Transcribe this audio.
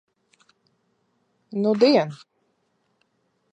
Nudien.